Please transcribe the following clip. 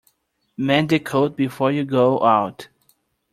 Mend the coat before you go out.